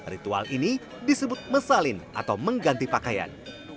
ritual ini disebut mesalin atau mengganti pakaian